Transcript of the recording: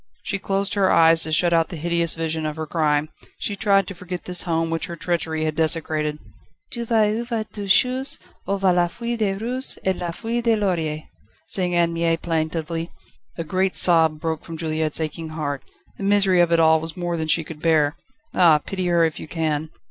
She closed her eyes to shut out the hideous vision of her crime; she tried to forget this home which her treachery had desecrated. /* "Je vais où va toute chose Où va la feuille de rose Et la feuille de laurier," */ sang Anne Mie plaintively. A great sob broke from Juliette's aching heart. The misery of it all was more than she could bear. Ah, pity her if you can!